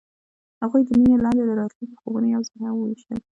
هغوی د مینه لاندې د راتلونکي خوبونه یوځای هم وویشل.